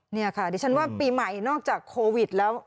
นี่ค่ะดิฉันว่าปีใหม่นอกจากโควิดแล้ว